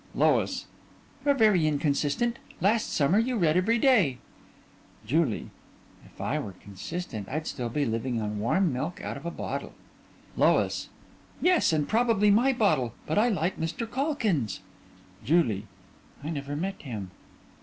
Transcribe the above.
LOIS: You're very inconsistent last summer you read every day. JULIE: If I were consistent I'd still be living on warm milk out of a bottle. LOIS: Yes, and probably my bottle. But I like Mr. Calkins. JULIE: I never met him.